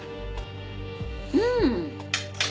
うん。